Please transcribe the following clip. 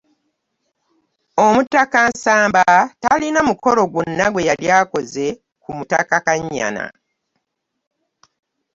Omutaka Nsamba talina mukolo gwonna gwe yali akoze ku Mutaka Kannyana.